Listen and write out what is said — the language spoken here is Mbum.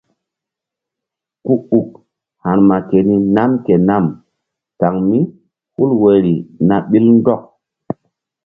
Ku uk ha̧rma keni nam ke nam kan mí hul woyri na ɓil ndɔk.